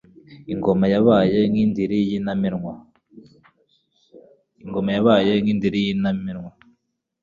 ingoma yabaye nk'indiri y'intamenwa,